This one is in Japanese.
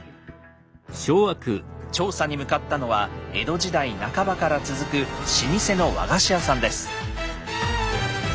調査に向かったのは江戸時代半ばから続く老舗の和菓子屋さんです。